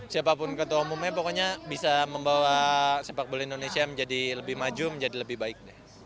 siapapun ketua umumnya pokoknya bisa membawa sepak bola indonesia menjadi lebih maju menjadi lebih baik